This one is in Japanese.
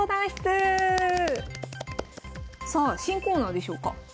さあ新コーナーでしょうか。